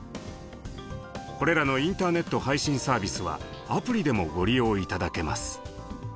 これらのインターネット配信サービスはアプリでもご利用頂けます。